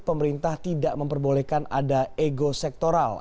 pemerintah tidak memperbolehkan ada ego sektoral